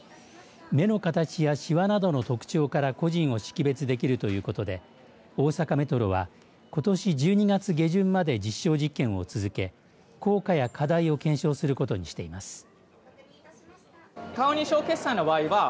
目の形やしわなどの特徴から個人を識別できるということで大阪メトロはことし１２月下旬まで実証実験を続け効果や課題を検証することにしています。